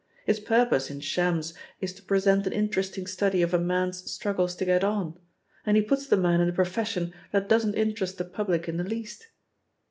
His purpose in Shams is to present an interesting study of a man's struggles to get on — and he puts the man in a profession that doesn't interest the public in the least.